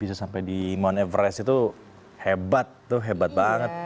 bisa sampai di mount everest itu hebat tuh hebat banget